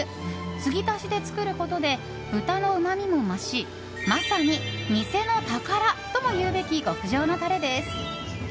継ぎ足しで作ることで豚のうまみも増しまさに店の宝ともいうべき極上のタレです。